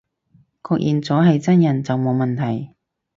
確認咗係真人就冇問題